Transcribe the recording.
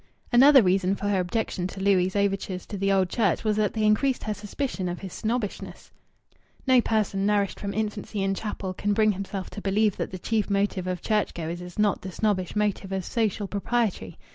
Another reason for her objection to Louis' overtures to the Old Church was that they increased her suspicion of his snobbishness. No person nourished from infancy in chapel can bring himself to believe that the chief motive of church goers is not the snobbish motive of social propriety.